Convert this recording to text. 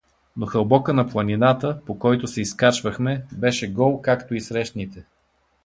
Но хълбока на планината, по който се изкачваме, беше гол както и срещните.